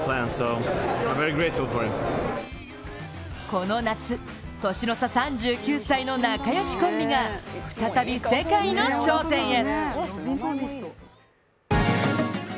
この夏、年の差３９歳の仲良しコンビが再び世界の頂点へ。